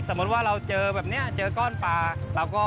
สมมุติว่าเราเจอแบบเนี่ยเจอก้อนปลา